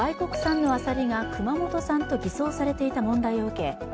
外国産のあさりが熊本産と偽装されていた問題を受け